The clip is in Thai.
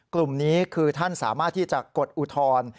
กลุ่มนี้คือท่านสามารถที่จะกดอุทธรณ์